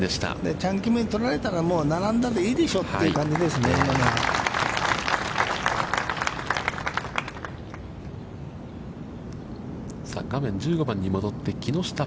チャン・キムに取られたら、もう並んだでいいでしょうという感じですね、今のは。